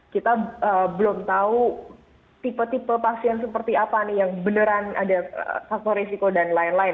kita belum tahu tipe tipe pasien seperti apa nih yang beneran ada faktor risiko dan lain lain